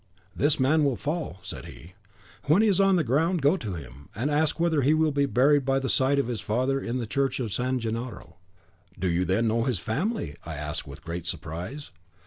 'This man will fall,' said he. 'When he is on the ground, go to him, and ask whether he will be buried by the side of his father in the church of San Gennaro?' 'Do you then know his family?' I asked with great surprise.